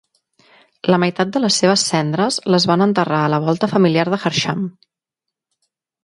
La meitat de les seves cendres les van enterrar a la volta familiar de Hersham.